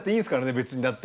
別にだって。